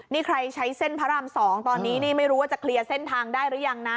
นี่ใครใช้เส้นพระราม๒ตอนนี้นี่ไม่รู้ว่าจะเคลียร์เส้นทางได้หรือยังนะ